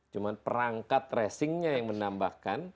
cuma perangkat tracingnya yang menambahkan